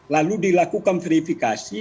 lalu dilakukan verifikasi